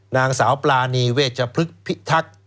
นางสาวปรานีเวชพฤกษ์พิทักษ์